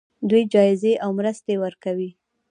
دوی جایزې او مرستې ورکوي.